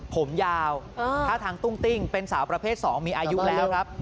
ผมยาวท่าทางตุ้งติ้งเป็นสาวประเภท๒มีอายุแล้วครับ